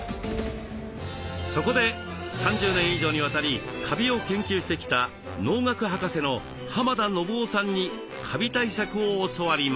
そこで３０年以上にわたりカビを研究してきた農学博士の浜田信夫さんにカビ対策を教わります。